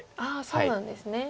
そうなんですね。